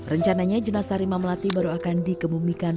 rencananya jenasa rima melati baru akan dikemumikan